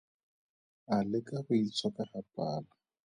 A leka go itshoka ga pala.